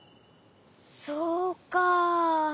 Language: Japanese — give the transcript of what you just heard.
そうか。